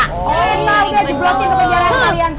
ya saya udah jublatin ke pejaran kalian semua